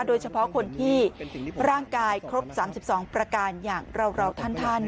โดยเฉพาะคนที่ร่างกายครบ๓๒ประการอย่างเราท่าน